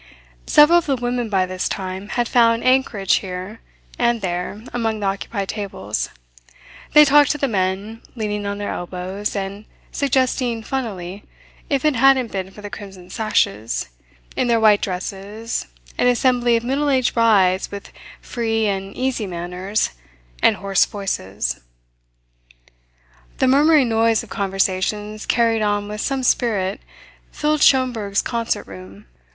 Several of the women, by this time, had found anchorage here and there among the occupied tables. They talked to the men, leaning on their elbows, and suggesting funnily if it hadn't been for the crimson sashes in their white dresses an assembly of middle aged brides with free and easy manners and hoarse voices. The murmuring noise of conversations carried on with some spirit filled Schomberg's concert room.